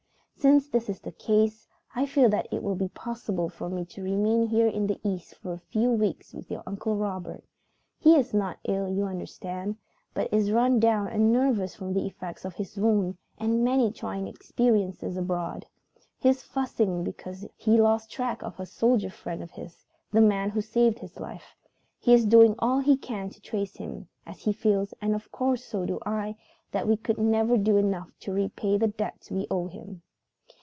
"Since this is the case, I feel that it will be possible for me to remain here in the East for a few weeks with your Uncle Robert. He is not ill, you understand, but is run down and nervous from the effects of his wound and many trying experiences abroad. He is fussing because he has lost track of a soldier friend of his, the man who saved his life. He is doing all he can to trace him, as he feels and of course so do I that we could never do enough to repay the debt we owe him.